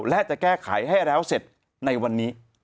และจะแก้ไขให้แล้วเสร็จในวันนี้